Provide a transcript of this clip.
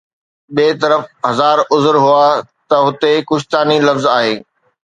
ٻئي طرف هزار عذر هئا ته هتي ڪشتاني لفظ آهي